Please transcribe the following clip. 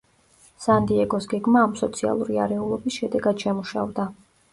სან-დიეგოს გეგმა ამ სოციალური არეულობის შედეგად შემუშავდა.